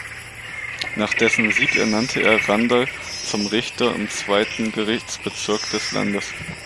Nach dessen Sieg ernannte er Randall zum Richter im zweiten Gerichtsbezirk des Landes.